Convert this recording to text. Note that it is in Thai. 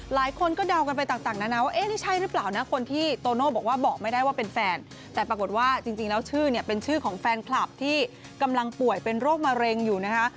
หลายคนก็เดากันไปต่างนานาว่าเอ๊ะนี่ใช่หรือเปล่านะคนที่โตโน่บอกว่าบอกไม่ได้ว่าเป็นแฟนแต่ปรากฏว่าจริงแล้วชื่อเนี่ยเป็นชื่อของแฟนคลับที่กำลังป่วยเป็นโรคมะเร็งอยู่นะคะ